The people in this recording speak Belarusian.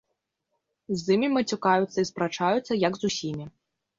З імі мацюкаюцца і спрачаюцца, як з усімі.